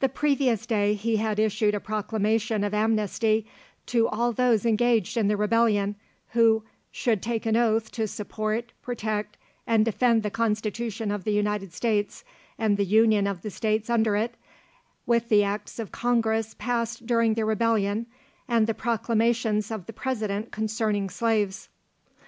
The previous day he had issued a proclamation of amnesty to all those engaged in the rebellion, who "should take an oath to support, protect, and defend the Constitution of the United States and the union of the states under it, with the Acts of Congress passed during the rebellion, and the proclamations of the President concerning slaves."